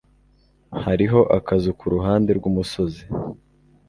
Hariho akazu kuruhande rwumusozi.